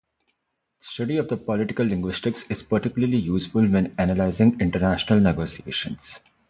The study of political linguistics is particularly useful when analyzing international negotiations.